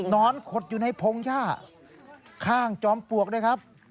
ขดอยู่ในพงหญ้าข้างจอมปลวกด้วยครับ